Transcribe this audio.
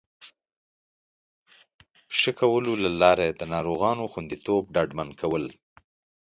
ښه کولو له لارې د ناروغانو خوندیتوب ډاډمن کول